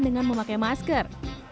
dengan memakai masker